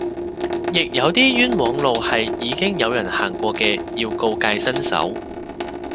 亦有啲冤枉路係已經有人行過嘅要告誡新手